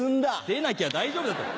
出なきゃ大丈夫だったろ。